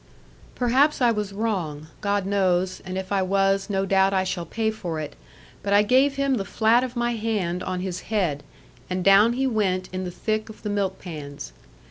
Perhaps I was wrong; God knows, and if I was, no doubt I shall pay for it; but I gave him the flat of my hand on his head, and down he went in the thick of the milk pans.